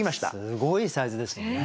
すごいサイズですよね。